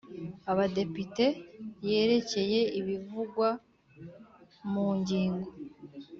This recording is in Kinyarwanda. Abadepite yerekeye ibivugwa mu ngingo